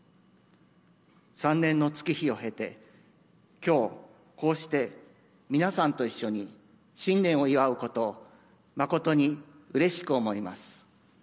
３年の月日を経て、きょう、こうして皆さんと一緒に新年を祝うことを誠にうれしく思います。